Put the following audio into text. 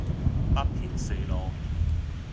北平西路